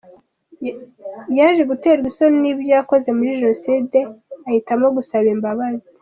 Yaje guterwa isoni n’ibyo yakoze muri Jenoside ahitamo gusaba imbabazi.